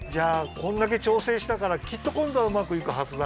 これだけちょうせいしたからきっとこんどはうまくいくはずだ！